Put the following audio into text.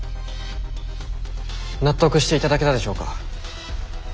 納得していただけたでしょうか。